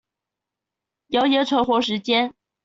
謠言存活時間